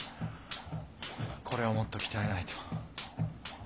これをもっと鍛えないと。